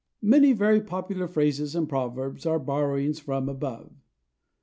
Many very popular phrases and proverbs are borrowings from above.